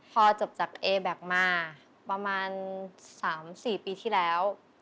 พอจบจากเอแบ็คมาประมาณ๓๔ปีที่แล้ว